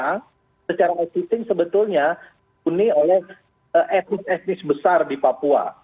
yang secara ekstrem sebetulnya puni oleh etnis etnis besar di papua